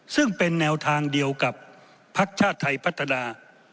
ซึ่งเป็นแนวทางเดียวกับภักดิ์ชาติไทยพัฒนา